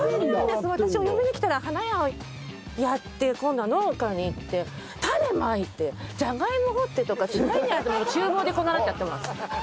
私お嫁に来たら花屋やって今度は農家に行って種まいてじゃがいも掘ってとかしまいには厨房でこんなになってやってます。